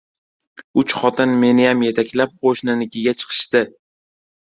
Uch xotin meniyam yetaklab qo‘shninikiga chiqishdi.